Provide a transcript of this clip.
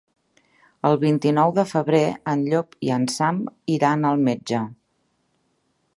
El vint-i-nou de febrer en Llop i en Sam iran al metge.